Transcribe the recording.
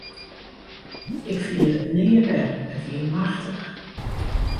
Ik ferjit it nea wer, it wie machtich.